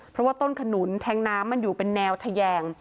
เพราะว่าต้นขนุนแท้งน้ำมันอยู่เป็นแนวทะแยง